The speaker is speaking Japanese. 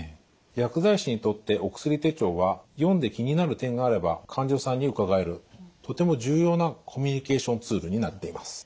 薬剤師にとってお薬手帳は読んで気になる点があれば患者さんに伺えるとても重要なコミュニケーションツールになっています。